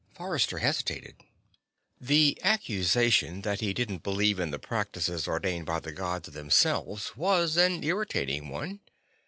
Forrester hesitated. The accusation that he didn't believe in the practices ordained by the Gods themselves was an irritating one.